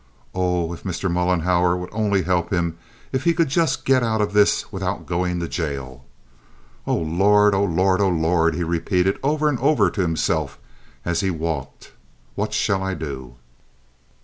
Oh, if Mr. Mollenhauer would only help him! If he could just get out of this without going to jail! "Oh, Lord! Oh, Lord! Oh, Lord!" he repeated, over and over to himself, as he walked. "What shall I do?"